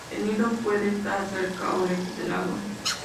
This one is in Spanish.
El nido puede estar cerca o lejos del agua.